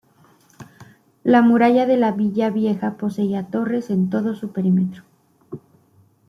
La muralla de la Villa Vieja poseía torres en todo su perímetro.